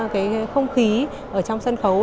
cái không khí ở trong sân khấu